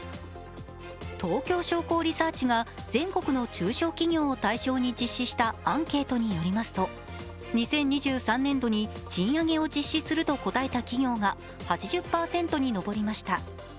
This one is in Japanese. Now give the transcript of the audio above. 東京商工リサーチが全国の中小企業を対象に実施したアンケートによりますと２０２３年度に賃上げを実施すると答えた企業が８０％に上りました。